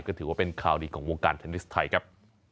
ก็ถือว่าเป็นข่าวดีของวงการเทนนิสไทยครับ